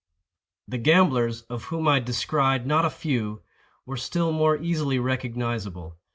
The gamblers, of whom I descried not a few, were still more easily recognisable.